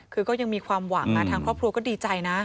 คือก็ยังมีความหวังทางครอบครัวก็ดีใจนะ